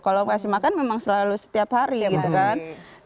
kalau kasih makan memang selalu setiap hari gitu kan